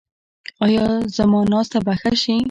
ایا زما ناسته به ښه شي؟